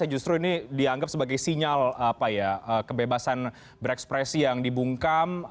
yang justru ini dianggap sebagai sinyal apa ya kebebasan berekspresi yang dibungkam